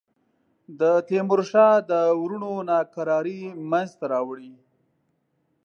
د تیمورشاه د وروڼو ناکراری منځته راوړي.